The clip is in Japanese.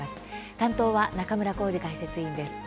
担当は中村幸司解説委員です。